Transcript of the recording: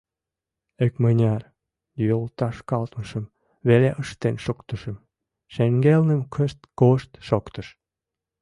Икмыняр йолтошкалтышым веле ыштен шуктышым, шеҥгелнем кышт-кошт шоктыш.